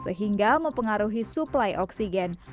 sehingga mempengaruhi suplai oksigen